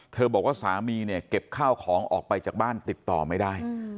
บอกว่าสามีเนี่ยเก็บข้าวของออกไปจากบ้านติดต่อไม่ได้